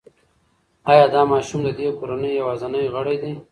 ایا دا ماشوم د دې کورنۍ یوازینی غړی دی؟